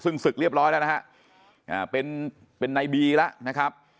ซึ่งศึกเรียบร้อยแล้วนะฮะเป็นในบีแล้วนะครับ